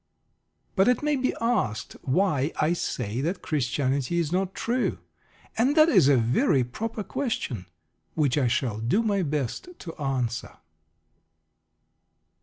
But it may be asked why I say that Christianity is not true; and that is a very proper question, which I shall do my best to answer.